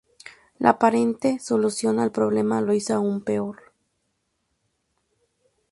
La aparente solución al problema lo hizo aún peor.